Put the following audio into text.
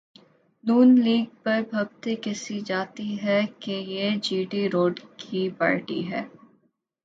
نون league پر پھبتی کسی جاتی ہے کہ یہ جی ٹی روڈ کی پارٹی ہے۔